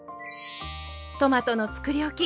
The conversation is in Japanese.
トマトのつくりおき